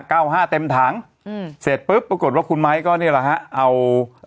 เก้าห้าเต็มถังอืมเสร็จปุ๊บปรากฏว่าคุณไม้ก็เนี่ยแหละฮะเอา